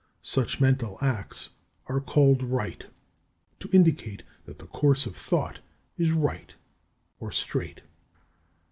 Such mental acts are called right, to indicate that the course of thought is right or straight.